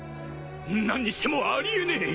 何にしてもあり得ねえ。